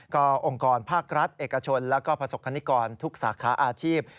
ก็องค์กรภาครัฐเอกชนแล้วก็ประสบคณิกรทุกสาขาอาชีพ